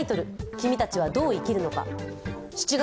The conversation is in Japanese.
「君たちはどう生きるか」。